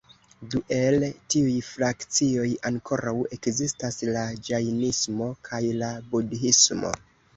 Du el tiuj frakcioj ankoraŭ ekzistas: la ĝajnismo kaj la budhismo.